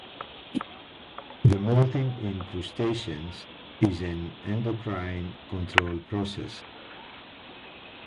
The molting in crustaceans is an endocrine-controlled process.